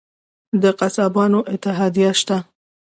د قصابانو اتحادیه شته؟